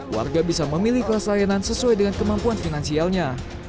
warga bisa memilih kelas layanan sesuai dengan kemampuan finansialnya